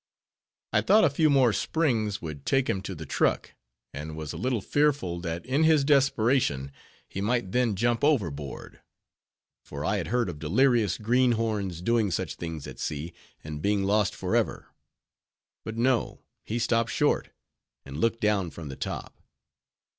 I thought a few more springs would take him to the truck, and was a little fearful that in his desperation he might then jump overboard; for I had heard of delirious greenhorns doing such things at sea, and being lost forever. But no; he stopped short, and looked down from the top.